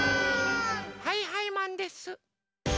はいはいマンです！